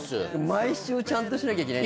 毎週ちゃんとしなきゃいけない。